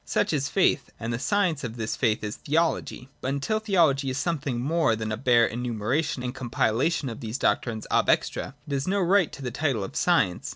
Such is faith : and the science of this faith is Theology. But until Theology is something more than a bare enumera tion and compilation of these doctrines ab extra, it has no right to the title of science.